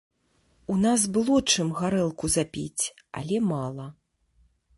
У нас было чым гарэлку запіць, але мала.